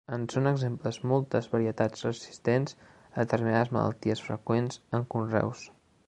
En són exemples moltes varietats resistents a determinades malalties freqüents en conreus.